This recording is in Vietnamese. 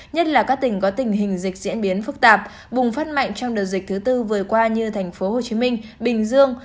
nhất là các tỉnh có tình hình dịch diễn biến phức tạp bùng phát mạnh trong đợt dịch thứ tư vừa qua như thành phố hồ chí minh bình dương